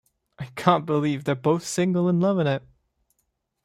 I can't believe they're both single and loving it.